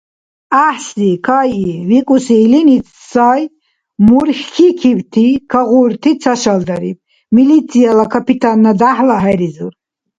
— Гӏяхӏси. Кайи, — викӏуси илини сай мурхьикибти кагъурти цашалдариб. Милицияла капитанна дяхӏла хӏеризур.